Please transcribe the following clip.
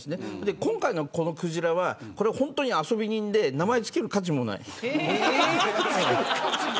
今回のクジラは本当に遊び人で名前を付ける価値もない。